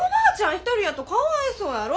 一人やとかわいそうやろ。